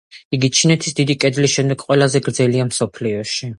იგი ჩინეთის დიდი კედლის შემდეგ ყველაზე გრძელია მსოფლიოში.